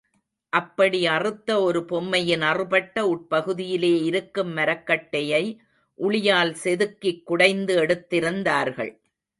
அப்படி அறுத்த ஒரு பொம்மையின் அறுபட்ட உட்பகுதியிலே இருக்கும் மரக்கட்டையை உளியால் செதுக்கிக் குடைந்து எடுத்திருந்தார்கள்.